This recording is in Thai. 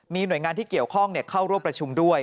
มีหน่วยงานที่เกี่ยวข้องเข้าร่วมประชุมด้วย